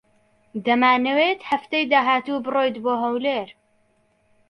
دەمانەوێت هەفتەی داهاتوو بڕۆیت بۆ ھەولێر.